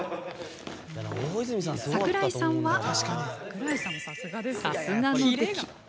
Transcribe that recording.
櫻井さんは、さすがのでき。